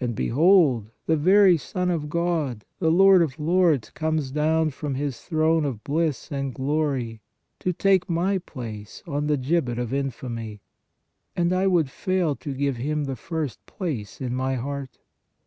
And behold the very Son of God, the Lord of lords, comes down from His throne of bliss and glory to take my place on the gibbet of infamy, and I would fail to give Him the first place in my heart!